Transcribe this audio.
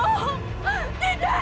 kamu mau bunuh astrid pak